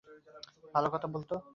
ভালো কথা বলত।